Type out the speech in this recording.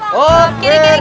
jadi apa bang